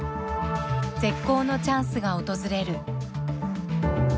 絶好のチャンスが訪れる。